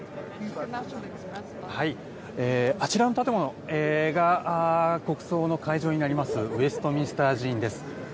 あちらの建物が国葬の会場になりますウェストミンスター寺院です。